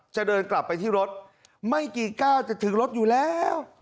จะเดินกลับไปที่รถไม่กี่ก้าวจะถึงรถอยู่แล้ว